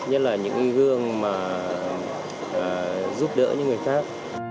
nhất là những gương mà giúp đỡ những người khác